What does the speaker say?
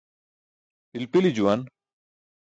Pilpili juwan.